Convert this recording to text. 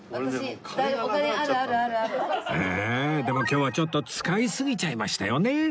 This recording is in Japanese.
でも今日はちょっと使いすぎちゃいましたよね